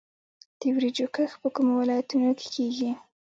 د وریجو کښت په کومو ولایتونو کې کیږي؟